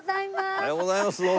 おはようございますどうも。